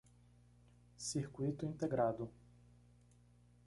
Circuito integrado